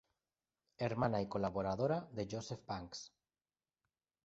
Hermana y colaboradora de Joseph Banks.